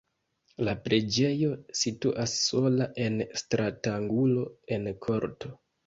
La preĝejo situas sola en stratangulo en korto.